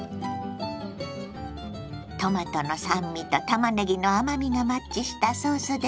トマトの酸味とたまねぎの甘みがマッチしたソースです。